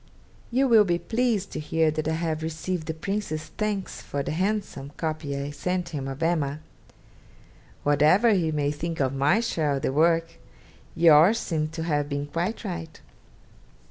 You will be pleased to hear that I have received the Prince's thanks for the handsome copy I sent him of "Emma." Whatever he may think of my share of the work, yours seems to have been quite right.